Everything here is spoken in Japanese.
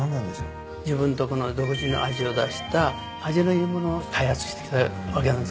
自分のとこの独自の味を出した味のいい物を開発してきたわけなんです。